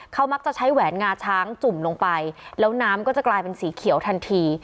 เขามักจะใช้แหวนงาช้างจุ่มลงไปแล้วน้ำก็จะกลายเป็นสีเขียวทันที